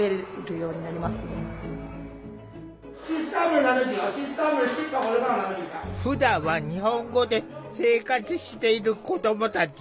ふだんは日本語で生活している子どもたち。